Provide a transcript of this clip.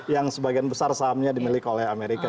yang sebagian besar sahamnya dimiliki oleh amerika